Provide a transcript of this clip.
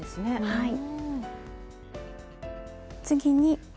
はい。